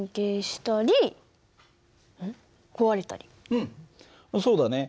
うんそうだね。